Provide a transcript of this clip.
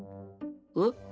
えっ？